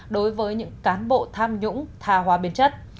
đối với những cán bộ tham nhũng thà hóa biên chất